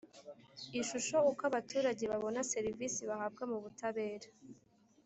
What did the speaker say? Ishusho Uko abaturage babona serivisi bahabwa mu butabera